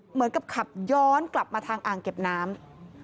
เหมือนกับขับย้อนกลับมาทางอ่างเก็บน้ำ